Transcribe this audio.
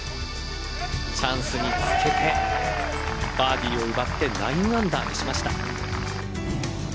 チャンスにつけてバーディーを奪って９アンダーにしました。